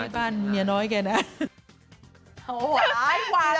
บ้านเมียน้อยแกนะ